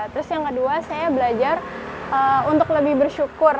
terus yang kedua saya belajar untuk lebih bersyukur